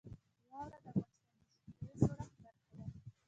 واوره د افغانستان د اجتماعي جوړښت برخه ده.